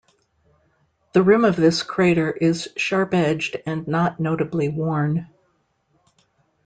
The rim of this crater is sharp-edged and not notably worn.